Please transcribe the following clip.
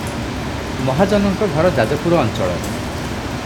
ମହାଜନଙ୍କ ଘର ଯାଜପୁର ଅଞ୍ଚଳରେ ।